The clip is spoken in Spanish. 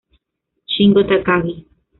Shingo Takagi